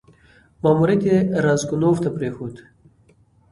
ماموریت یې راسګونوف ته پرېښود.